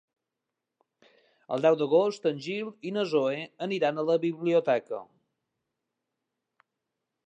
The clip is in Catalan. El deu d'agost en Gil i na Zoè aniran a la biblioteca.